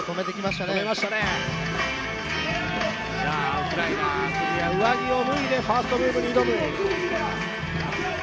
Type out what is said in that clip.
ウクライナ、Ｋｕｚｙａ上着を脱いでファーストムーブに挑む。